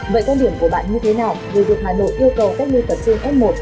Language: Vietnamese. vậy quan điểm của bạn như thế nào về việc hà nội yêu cầu các nơi tập trung s một